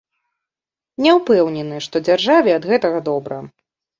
Не ўпэўнены, што дзяржаве ад гэтага добра.